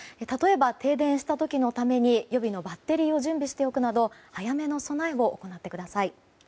例えば、停電した時のために予備のバッテリーを準備しておくなど早めの備えを行ってください。